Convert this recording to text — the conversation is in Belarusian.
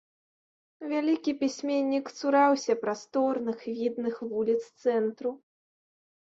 Вялікі пісьменнік цураўся прасторных відных вуліц цэнтру.